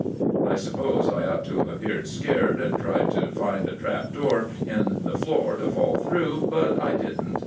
' I suppose I ought to have appeared scared, and tried to find a trap door in the floor to fall through, but I did n't.